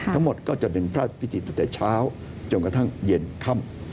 ทั้งหมดก็จะเป็นพระพิธีตั้งแต่เช้าจนกระทั่งเย็นค่ำ